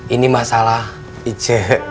ini masalah ijazahnya kan